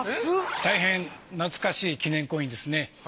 大変懐かしい記念コインですね。